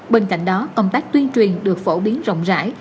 bên cạnh đó công tác tuyên truyền được phổ biến rộng rãi